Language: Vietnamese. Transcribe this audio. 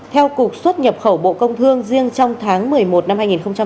theo cục xuất nhập khẩu bộ công thương riêng trong tháng một mươi một năm hai nghìn hai mươi ba